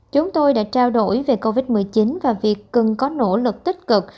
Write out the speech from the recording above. chúng tôi đã trao đổi về covid một mươi chín và việc cần có nỗ lực tích cực